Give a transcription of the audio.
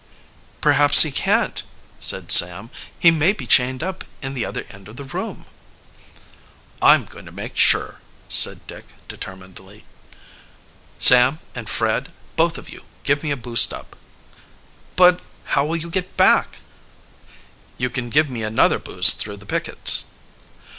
"Perhaps he, can't," said Sam. "He may be chained up in the other end of the room." "I'm going to make sure," said Dick determinedly. "Sam and Fred, both of you give me a boost up." "But how will you get back?" "You can give me another boost through the pickets."